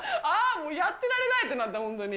もうやってられない！ってなって、本当に。